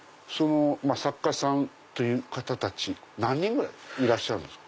作家さんという方たち何人ぐらいいらっしゃるんですか？